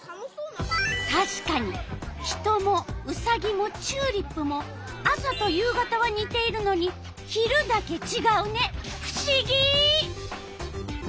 たしかに人もウサギもチューリップも朝と夕方はにているのに昼だけちがうね。